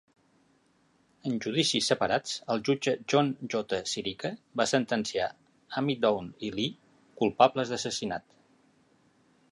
En judicis separats, el jutge John J. Sirica va sentenciar Ammidown i Lee culpables d'assassinat.